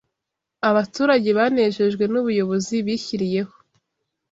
abaturage banejejwe n’ ubuyobozi bishyiriyeho